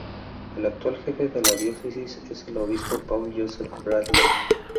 El actual jefe de la Diócesis es el Obispo Paul Joseph Bradley.